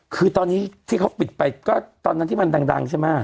คือตอนนี้ที่เขาปิดไปก็ตอนนั้นที่มันดังใช่ไหม